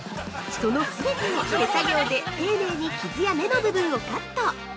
そのすべてを手作業で、丁寧に傷や芽の部分をカット！